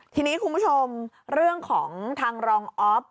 ทีนี้คุณผู้ชมเรื่องของทางรองอ๊อฟ